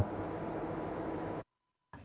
bến phà trăm tuổi